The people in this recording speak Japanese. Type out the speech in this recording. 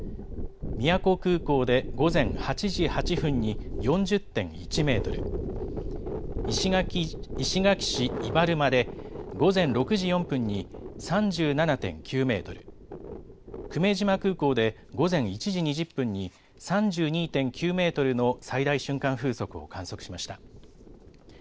宮古空港で午前８時８分に４０．１メートル、石垣市伊原間で午前６時４分に３７．９メートル、久米島空港で午前１時２０分に３２．９メートルの最大瞬間風速を観測しました。